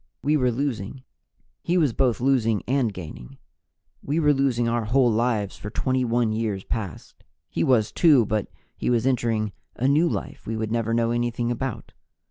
We were losing; he was both losing and gaining. We were losing our whole lives for 21 years past; he was, too, but he was entering a new life we would never know anything about.